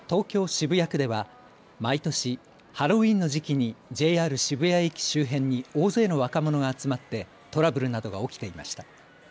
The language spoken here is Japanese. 渋谷区では毎年、ハロウィーンの時期にＪＲ渋谷駅周辺に大勢の若者が集まってトラブルなどが起きていました。